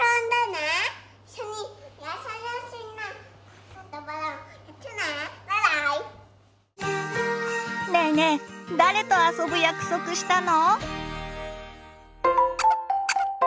ねえねえ誰と遊ぶ約束したの？